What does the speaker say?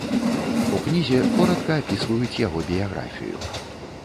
У кнізе коратка апісваюць яго біяграфію.